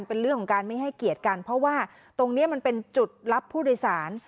เป็นเรื่องของการไม่ให้เกียรติกันเพราะว่าตรงนี้มันเป็นจุดรับผู้โดยสาร